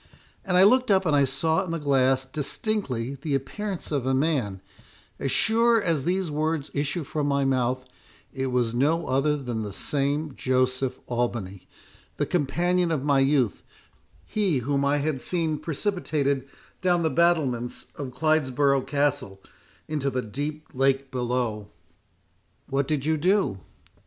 And I looked up, and I saw in the glass distinctly the appearance of a man—as sure as these words issue from my mouth, it was no other than the same Joseph Albany—the companion of my youth—he whom I had seen precipitated down the battlements of Clidesbrough Castle into the deep lake below!" "What did you do?"